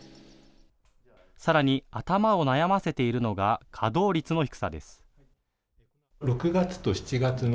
さらに頭を悩ませているのが稼働率の低さです。